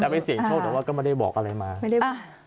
จะไปเสียงโทษหรือว่าก็ไม่ได้บอกอะไรมาไม่ได้